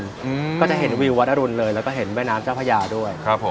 ก็จะเห็นวิววัดอรุณเลยแล้วก็เห็นแม่น้ำเจ้าพระยาด้วย